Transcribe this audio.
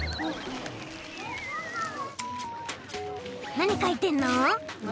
なにかいてんの？